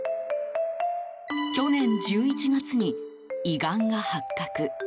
去年１１月に胃がんが発覚。